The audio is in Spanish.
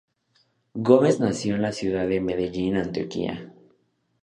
Gómez nació en la ciudad de Medellín, Antioquia.